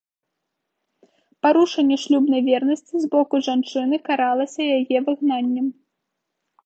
Парушэнне шлюбнай вернасці з боку жанчыны каралася яе выгнаннем.